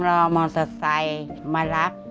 รอมอเตอร์ไซค์มารับ